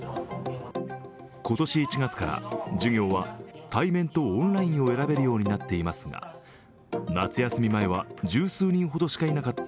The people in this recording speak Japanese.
今年１月から、授業は対面とオンラインを選べるようになっていますが、夏休み前は十数人ほどしかいなかった